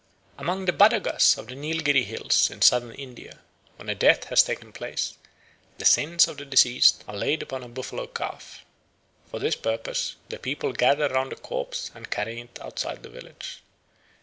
Among the Badagas of the Neilgherry Hills in Southern India, when a death has taken place, the sins of the deceased are laid upon a buffalo calf. For this purpose the people gather round the corpse and carry it outside of the village.